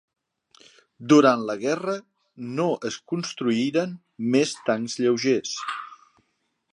Durant la guerra no es construirien més tancs lleugers.